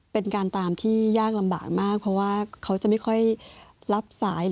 เป็นการตามที่ยากลำบากมากเพราะว่าเขาจะไม่ค่อยรับสาย